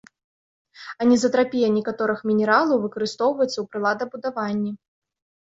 Анізатрапія некаторых мінералаў выкарыстоўваецца ў прыладабудаванні.